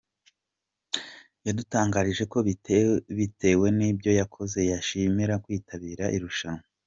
com yadutangarije ko bitewe n'ibyo yakoze yakishimira kwitabira iri rushanwa.